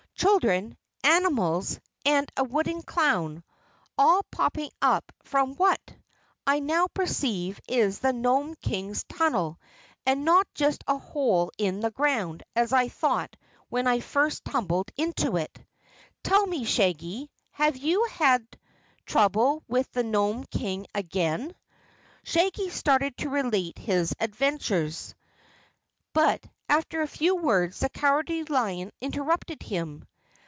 "Children, animals, and a wooden clown all popping up from what I now perceive is the Nome King's tunnel and not just a hole in the ground as I thought when I first tumbled into it. Tell me, Shaggy, have you had trouble with the Nome King again?" Shaggy started to relate his adventures, but after a few words the Cowardly Lion interrupted him.